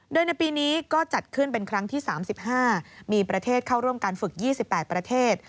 โดยในปีนี้ก็จัดขึ้นเป็นครั้งที่๓๕มีประเทศเข้าร่วมการฝึก๒๘ประเทศ